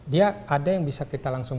dia ada yang bisa kita langsung